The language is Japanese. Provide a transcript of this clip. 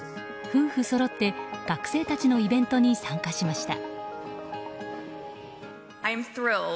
夫婦そろって、学生たちのイベントに参加しました。